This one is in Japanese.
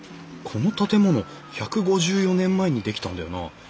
この建物１５４年前に出来たんだよな。